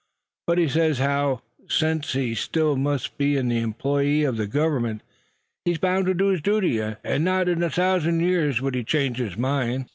But he sez as how, sense he still must be in ther employ o' ther Gov'nment, he's bound ter do his duty; an' not in er thousand years wud he change his mind."